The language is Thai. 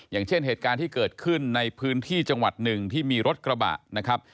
อย่างเช่นเหตุการณ์ที่เกิดขึ้นในพื้นที่จังหวัดหนึ่งที่มีรถกระบะนะครับ